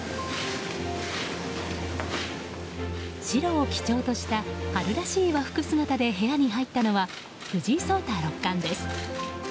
白を基調とした春らしい和服姿で部屋に入ったのは藤井聡太六冠です。